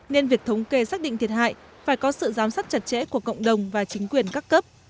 nên việc thống kê xác định thiệt hại phải có sự giám sát chặt chẽ của cộng đồng và chính quyền các cấp